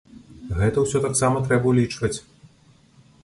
Гэта ўсё таксама трэба ўлічваць.